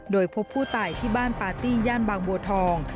โดยพบผู้ตายที่บ้านปาร์ตี้ย่านบางบัวทอง